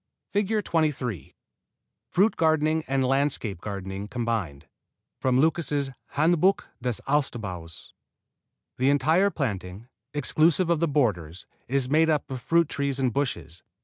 [Illustration: FIG. 23 FRUIT GARDENING AND LANDSCAPE GARDENING COMBINED From Lucas' Handbuch des Obstbaues The entire planting, exclusive of the borders, is made up of fruit trees and bushes.